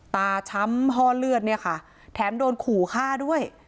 ช้ำห้อเลือดเนี่ยค่ะแถมโดนขู่ฆ่าด้วย